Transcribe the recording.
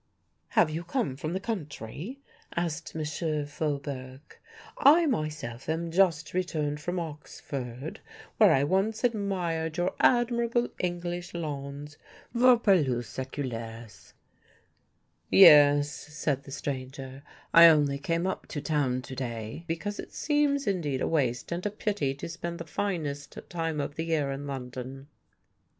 "Have you come from the country?" asked M. Faubourg. "I myself am just returned from Oxford, where I once more admired your admirable English lawns vos pelouses seculaires." "Yes," said the stranger, "I only came up to town to day, because it seems indeed a waste and a pity to spend the finest time of the year in London."